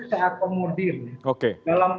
saya komodir dalam